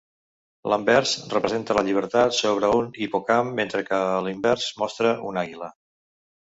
L'anvers representa la Llibertat sobre un hipocamp, mentre que a l'invers mostra una àguila.